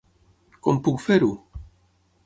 Com puc fer-ho?